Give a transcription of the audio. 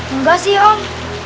enggak sih om